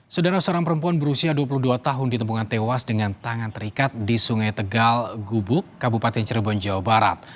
saudara seorang perempuan berusia dua puluh dua tahun ditemukan tewas dengan tangan terikat di sungai tegal gubuk kabupaten cirebon jawa barat